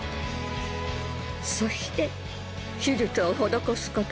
そして手術を施すこと